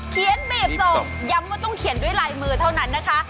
บีบส่งย้ำว่าต้องเขียนด้วยลายมือเท่านั้นนะคะ